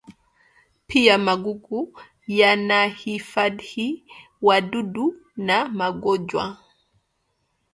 Pia magugu yanahifadhi wadudu na magonjwa